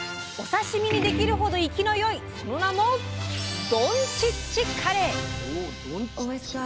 お刺身にできるほど活きのよいその名も「どんちっちカレイ」！